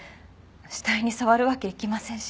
死体に触るわけいきませんし。